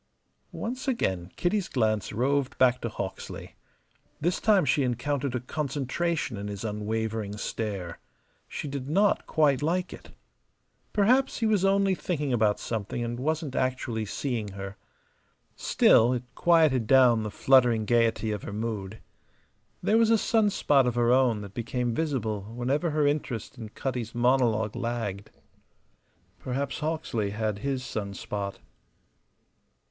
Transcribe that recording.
Once again Kitty's glance roved back to Hawksley. This time she encountered a concentration in his unwavering stare. She did not quite like it. Perhaps he was only thinking about something and wasn't actually seeing her. Still, it quieted down the fluttering gayety of her mood. There was a sun spot of her own that became visible whenever her interest in Cutty's monologue lagged. Perhaps Hawksley had his sun spot.